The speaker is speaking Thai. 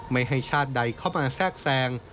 ไม่ให้ชาติใดเข้ามาแทรกแทรง